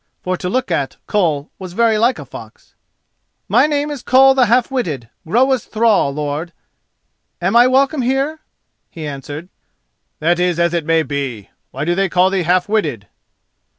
For, to look at, Koll was very like a fox. "My name is Koll the Half witted, Groa's thrall, lord. Am I welcome here?" he answered. "That is as it may be. Why do they call thee half witted?"